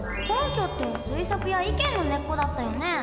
根拠って推測や意見の根っこだったよね。